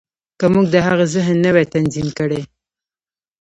که موږ د هغه ذهن نه وای تنظيم کړی.